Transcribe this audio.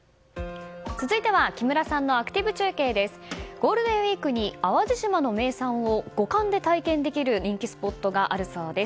ゴールデンウィークに淡路島の名産を五感で体験できる人気スポットがあるそうです。